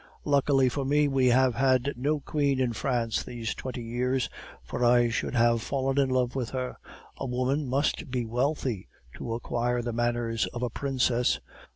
"Luckily for me we have had no queen in France these twenty years, for I should have fallen in love with her. A woman must be wealthy to acquire the manners of a princess.